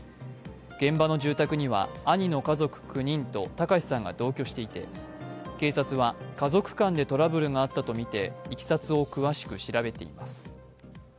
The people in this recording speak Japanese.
現場の住宅には兄の家族９人と卓さんが同居していて、警察は家族間でトラブルがあったとみていきさつを詳しく調べています。